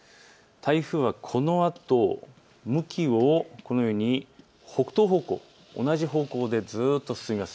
台風はこのあと向きを北東方向、同じ方向でずっと進みます。